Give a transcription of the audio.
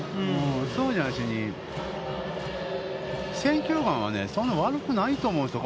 そうじゃなしに、選球眼はそんな悪くないと思うんですよ。